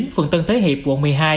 phần tân thế hiệp quận một mươi hai